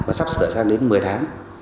và sắp sửa sang đến một mươi tháng